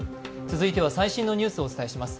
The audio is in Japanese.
続いては最新のニュースをお伝えします。